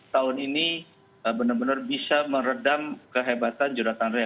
tahun ini benar benar bisa meredam kehebatan jonathan raya